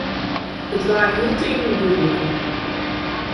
It waard hieltiten dúdliker.